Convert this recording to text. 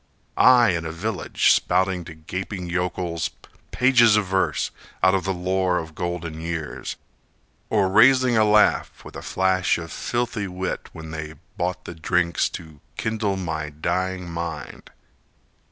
I in a village, Spouting to gaping yokels pages of verse, Out of the lore of golden years, Or raising a laugh with a flash of filthy wit When they bought the drinks to kindle my dying mind.